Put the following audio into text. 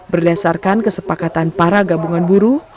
berdasarkan kesepakatan para gabungan buruh